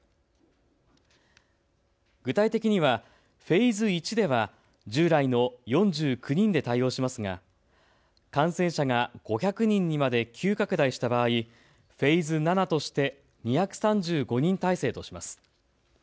具体的にはフェーズ１では従来の４９人で対応しますが感染者が５００人にまで急拡大した場合、フェーズ７として２３５人態勢とします。